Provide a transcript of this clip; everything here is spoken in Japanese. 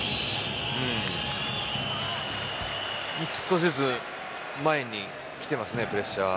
少しずつ前に来ていますねプレッシャーが。